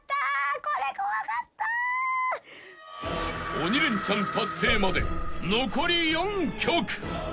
［鬼レンチャン達成まで残り４曲］